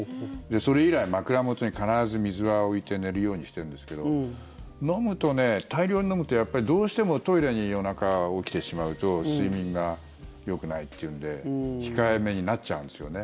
それ以来、枕元に必ず水は置いて寝るようにしてるんですけど飲むと、大量に飲むとやっぱりどうしてもトイレに夜中、起きてしまうと睡眠がよくないっていうんで控えめになっちゃうんですよね。